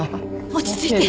落ち着いて！